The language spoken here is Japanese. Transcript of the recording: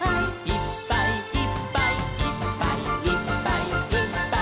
「いっぱいいっぱいいっぱいいっぱい」